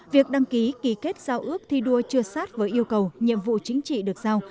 việc đăng ký ký kết giao ước thi đua chưa sát với yêu cầu nhiệm vụ chính trị được giao